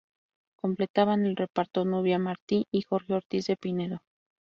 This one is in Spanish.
Completaban el reparto Nubia Martí y Jorge Ortiz de Pinedo.